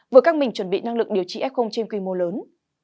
vừa căng mình chuẩn bị năng lực điều trị f trên quy mô lớn